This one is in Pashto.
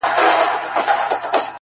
ستا د سترگو جام مي د زړه ور مات كـړ _